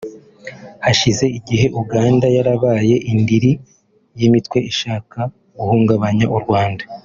Hashize igihe Uganda yarabaye indiri y’imitwe ishaka guhungabanya u Rwanda